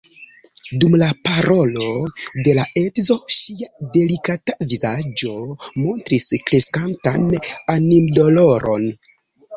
Dum la parolo de la edzo ŝia delikata vizaĝo montris kreskantan animdoloron.